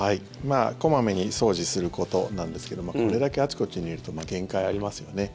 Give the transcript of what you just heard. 小まめに掃除することなんですけどもこれだけあちこちにいると限界ありますよね。